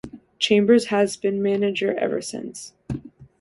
Chambers has been manager ever since.